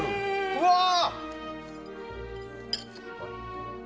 うわー。